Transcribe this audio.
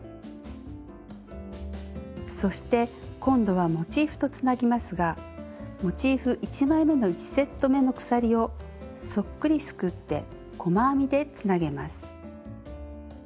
そして今度はモチーフとつなぎますがモチーフ１枚めの１セットめの鎖をそっくりすくって細編みでつなげます。